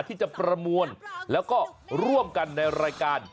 ที่จะประมวลแล้วก็ร่วมกันในรายการ